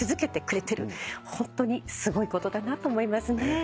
ホントにすごいことだなと思いますね。